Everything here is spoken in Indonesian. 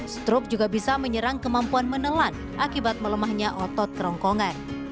stroke juga bisa menyerang kemampuan menelan akibat melemahnya otot kerongkongan